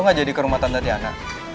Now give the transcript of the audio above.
lo ga jadi kerumah tante tiana